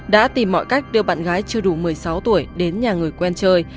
đã tìm mọi cách đưa bạn gái chưa đủ một mươi sáu tuổi đến nhà người quen chơi